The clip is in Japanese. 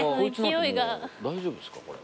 大丈夫ですかこれ？